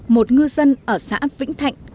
một ngư dân ở xã vĩnh thạnh